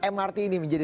mrt ini menjadi